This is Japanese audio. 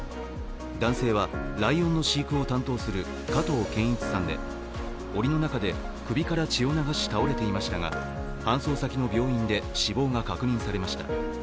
男性は、ライオンの飼育を担当する加藤健一さんでおりの中で首から血を流し倒れていましたが、搬送先の病院で死亡が確認されました。